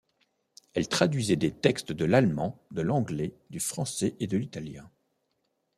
Elle traduisait des textes de l'allemand, de l'anglais, du français et de l'italien.